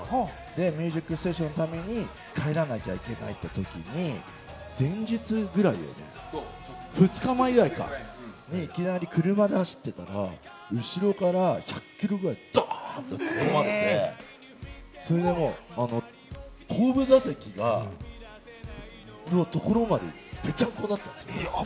『ミュージックステーション』のために帰らなきゃいけないってときに、前日ぐらいだよね、２日前ぐらいか、いきなり車で走ってたら、後ろから１００キロぐらいでドーンって突っ込まれて、それで後部座席のところまで、ぺちゃんこになったんですよ。